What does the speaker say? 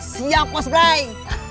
siap buat brai